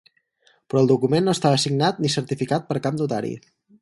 Però el document no estava signat ni certificat per cap notari.